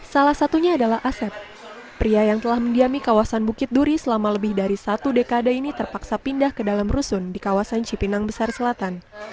salah satunya adalah asep pria yang telah mendiami kawasan bukit duri selama lebih dari satu dekade ini terpaksa pindah ke dalam rusun di kawasan cipinang besar selatan